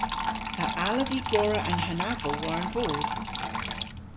A allav vy gorra an hanafow war an voos?